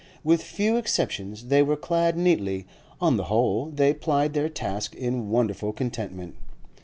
With few exceptions, they were clad neatly; on the whole, they plied their task in wonderful contentment.